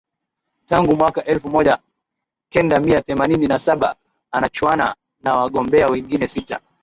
tangu mwaka elfu moja kenda mia themanini na saba anachuana na wagombea wengine sita